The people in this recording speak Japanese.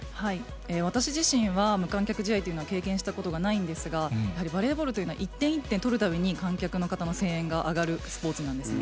私自身は、無観客試合というのは経験したことがないんですが、やはりバレーボールというのは、一点一点取るたびに観客の方の声援が上がるスポーツなんですね。